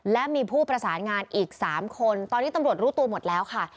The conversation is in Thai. และมีผู้ประสานงานอีก๓คนตอนนี้ตำรวจรู้ตัวหมดแล้วค่ะ